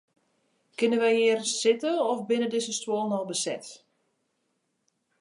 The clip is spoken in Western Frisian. Kinne wy hjir sitte of binne dizze stuollen al beset?